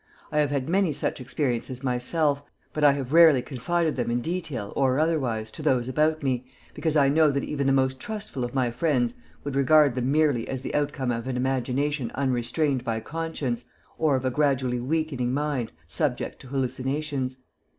I have had many such experiences myself; but I have rarely confided them in detail, or otherwise, to those about me, because I know that even the most trustful of my friends would regard them merely as the outcome of an imagination unrestrained by conscience, or of a gradually weakening mind subject to hallucinations.